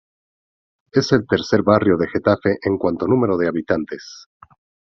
Es el tercer barrio de Getafe en cuanto a número de habitantes.